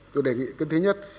tôi đề nghị cái thứ nhất